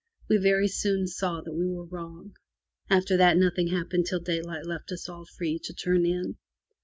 We very soon saw that we were wrong. After that nothing hap pened till daylight left us all free to turn in.